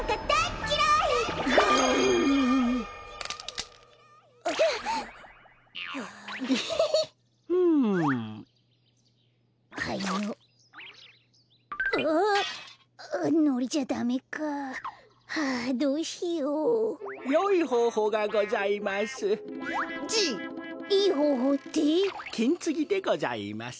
きんつぎでございます。